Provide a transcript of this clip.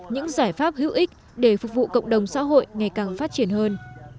những giải pháp hữu ích để phục vụ cộng đồng xã hội ngày càng phát triển hơn